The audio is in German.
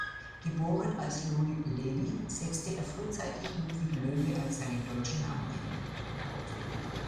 Geboren als Louis Levy setzte er frühzeitig Ludwig Loewe als seinen deutschen Namen ein.